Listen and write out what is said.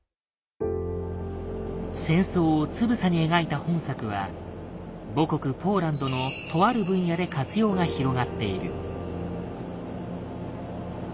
戦争をつぶさに描いた本作は母国ポーランドのとある分野で活用が広がっている。